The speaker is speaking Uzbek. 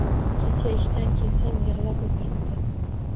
Kecha ishdan kelsam, yig`lab o`tiribdi